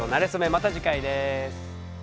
また次回です。